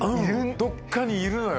どっかにいるのよ。